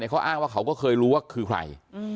เขาอ้างว่าเขาก็เคยรู้ว่าคือใคร